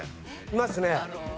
いますね。